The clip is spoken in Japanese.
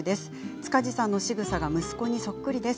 塚地さんのしぐさが息子にそっくりです。